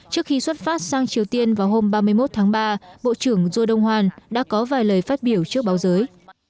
trước khi xuất phát sang triều tiên vào hôm ba mươi một tháng ba bộ trưởng jo dong hwan đã có vài lời phát biểu trước báo giới